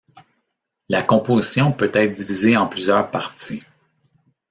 La composition peut être divisée en plusieurs parties.